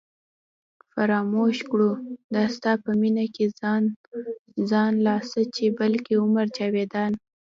فراموش کړو دا ستا په مینه ځان ځان لا څه چې بلکې عمر جاوېدان